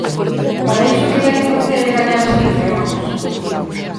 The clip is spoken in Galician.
¡Para iso o que hai que facer é gañar as eleccións!